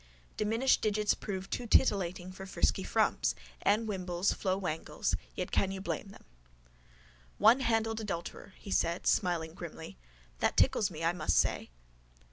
DIMINISHED DIGITS PROVE TOO TITILLATING FOR FRISKY FRUMPS. ANNE WIMBLES, FLO WANGLES—YET CAN YOU BLAME THEM? —Onehandled adulterer, he said smiling grimly. That tickles me, I must say.